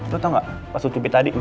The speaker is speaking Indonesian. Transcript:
lo tau gak pas cucupin tadi